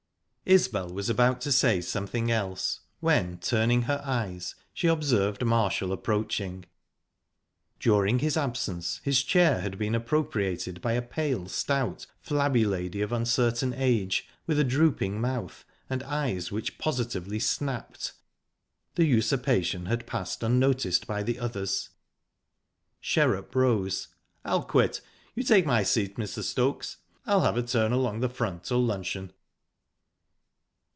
Isbel was about to say something else, when turning her eyes, she observed Marshall approaching. During his absence his chair had been appropriated by a pale, stout, flabby lady of uncertain age, with a drooping mouth, and eyes which positively snapped; the usurpation had passed unnoticed by the others. Sherrup rose. "I'll quit. You take my seat, Mr. Stokes I'll have a turn along the front till luncheon."